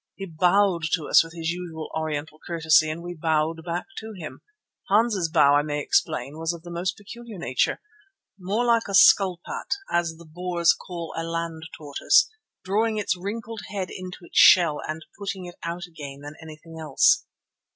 He bowed to us with his usual Oriental courtesy, and we bowed back to him. Hans' bow, I may explain, was of the most peculiar nature, more like a skulpat, as the Boers call a land tortoise, drawing its wrinkled head into its shell and putting it out again than anything else.